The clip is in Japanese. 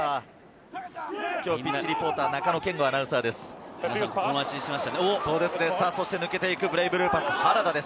ピッチリポーターは中野謙吾アナウンサーです。